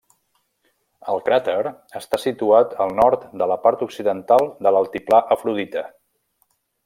El cràter està situat al nord de la part occidental de l'altiplà Afrodita.